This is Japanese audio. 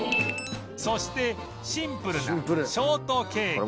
そしてシンプルなショートケーキ